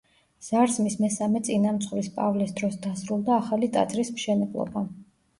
ზარზმის მესამე წინამძღვრის, პავლეს დროს დასრულდა ახალი ტაძრის მშენებლობა.